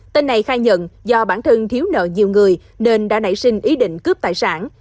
tên này khai nhận do bản thân thiếu nợ nhiều người nên đã nảy sinh ý định cướp tài sản